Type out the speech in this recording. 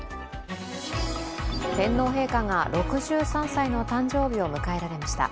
天皇陛下が６３歳の誕生日を迎えられました。